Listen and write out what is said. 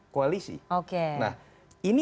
koalisi nah ini